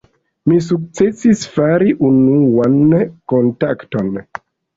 Mi sukcesis fari unuan kontakton.